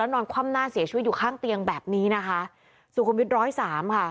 นอนคว่ำหน้าเสียชีวิตอยู่ข้างเตียงแบบนี้นะคะสุขุมวิทยร้อยสามค่ะ